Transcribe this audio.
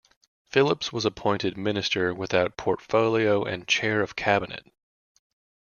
Phillips was appointed minister without portfolio and chair of cabinet.